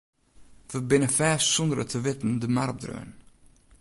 We binne fêst sûnder it te witten de mar opdreaun.